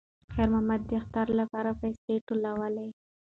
خیر محمد د اختر لپاره پیسې ټولولې.